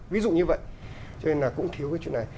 ví dụ như vậy cho nên là cũng thiếu cái chuyện này